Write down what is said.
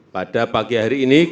pada pagi hari ini